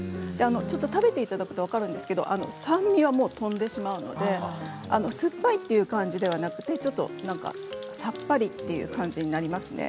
食べていただくと分かるんですが酸味が飛んでしまうので酸っぱいという感じではなくてさっぱりという感じになりますね。